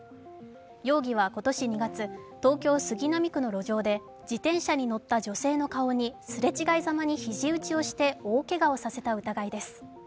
容疑は、今年２月、東京・杉並区の路上で自転車に乗った女性の顔にすれ違いざまにひじ打ちをして大けがをさせた疑いです。